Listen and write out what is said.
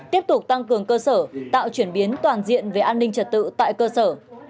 tiếp tục tăng cường cơ sở tạo chuyển biến toàn diện về an ninh trật tự tại cơ sở